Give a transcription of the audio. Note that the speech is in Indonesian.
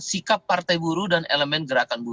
sikap partai buru dan elemen gerakan